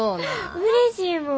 うれしいもん。